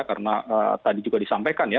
karena tadi juga disampaikan ya